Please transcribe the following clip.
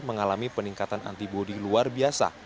mengalami peningkatan antibody luar biasa